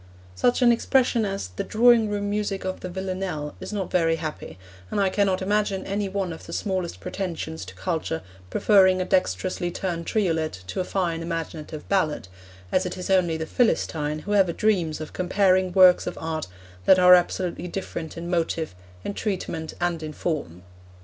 Such an expression as 'the drawing room music of the Villanelle' is not very happy, and I cannot imagine any one with the smallest pretensions to culture preferring a dexterously turned triolet to a fine imaginative ballad, as it is only the Philistine who ever dreams of comparing works of art that are absolutely different in motive, in treatment, and in form.